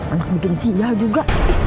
anak bikin sial juga